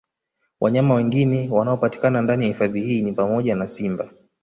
Wanyama wengine wanaopatikana ndani ya hifadhi hii ni pamoja na Simba